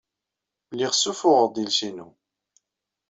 Lliɣ ssuffuɣeɣ-d iles-inu.